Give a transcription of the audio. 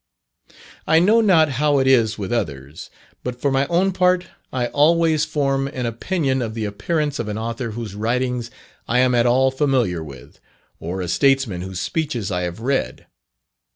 I know not how it is with others, but for my own part, I always form an opinion of the appearance of an author whose writings I am at all familiar with, or a statesman whose speeches I have read.